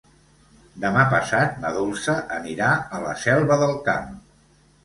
Demà passat na Dolça anirà a la Selva del Camp.